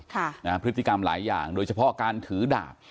ค่ะนะฮะพฤติกรรมหลายอย่างโดยเฉพาะการถือดาบ